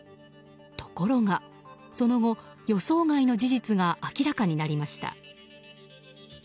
ところが、その後予想外の事実が明らかになりました。